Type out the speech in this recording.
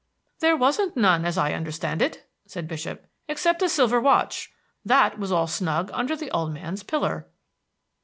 "There wasn't none, as I understand it," said Bishop, "except a silver watch. That was all snug under the old man's piller."